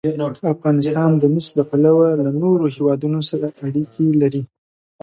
افغانستان د مس له پلوه له نورو هېوادونو سره اړیکې لري.